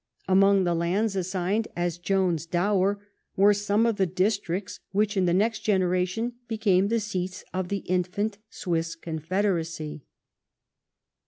Among the lands assigned as Joan's dower were some of the districts which in the next generation became the seats of the infant Swiss confederacy.